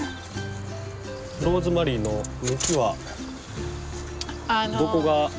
ローズマリーの向きはどこが正面に？